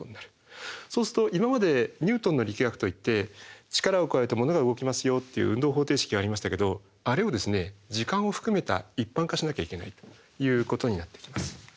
そうすると今までニュートンの力学といって力を加えたものが動きますよっていう運動方程式がありましたけどあれを時間を含めた一般化しなきゃいけないということになってきます。